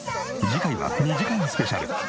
次回は２時間スペシャル。